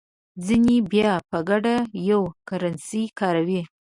ځینې بیا په ګډه یوه کرنسي کاروي.